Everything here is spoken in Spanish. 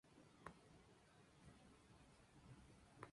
No debe tratar de drenar el pus por usted mismo.